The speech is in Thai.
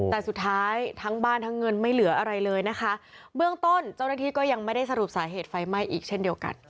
แต่สุดท้ายทั้งบ้านทั้งเงินไม่เหลืออะไรเลยนะคะเบื้องต้นเจ้าหน้าที่ก็ยังไม่ได้สรุปสาเหตุไฟไหม้อีกเช่นเดียวกัน